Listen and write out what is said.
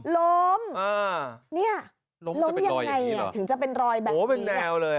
ล้มยังไงถึงจะเป็นรอยแบบนี้โหเป็นแนวเลย